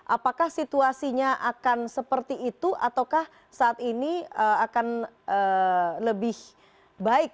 apakah situasinya akan seperti itu atau saatnya schwierig lebih baik